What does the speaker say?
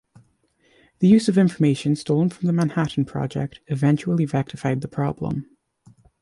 The use of information stolen from the Manhattan Project eventually rectified the problem.